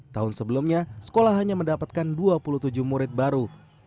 tahun sebelumnya sekolah hanya mendapatkan dua puluh tujuh murid baru